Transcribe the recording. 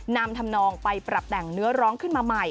นำทำนองไปปรับแต่งเนื้อร้องขึ้นมาใหม่